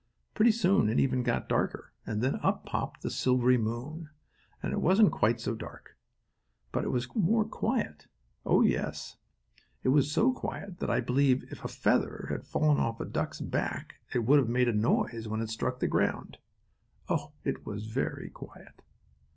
Pretty soon it got even darker, and then up popped the silvery moon, and it wasn't quite so dark. But it was more quiet. Oh my, yes! It was so quiet that I believe if a feather had fallen off a duck's back it would have made a noise when it struck the ground. Oh, it was very quiet.